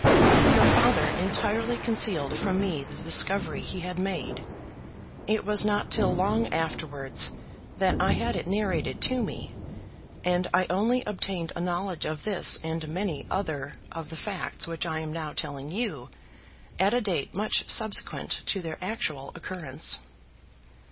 Your father entirely concealed from me the discovery he had made. It was not till long afterwards that I had it narrated to me, and I only obtained a knowledge of this and many other of the facts which I am now telling you at a date much subsequent to their actual occurrence.